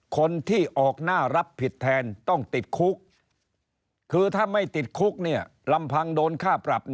คนที่ออกหน้ารับผิดแทนต้องติดคุกคือถ้าไม่ติดคุกลำพังโดนค่าปรับ